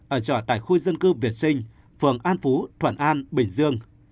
ở chợ tại khu dân cư việt sinh phường an phú thuận an bình dương